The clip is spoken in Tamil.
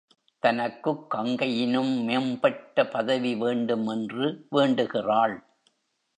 தனக்குக் கங்கையினும் மேம்பட்ட பதவி வேண்டும் என்றும் வேண்டுகிறாள்.